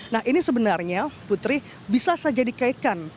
nah ini sebenarnya putri bisa saja dikaitkan